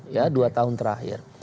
ya dua tahun terakhir